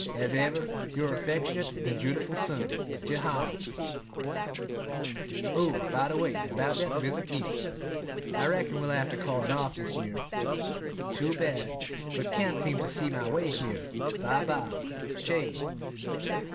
As ever, your affectionate and dutiful son, JEHIEL Oh, by the way about that visit East. I reckon we'll have to call it off this year. Too bad; but can't seem to see my way clear. Bye bye, J.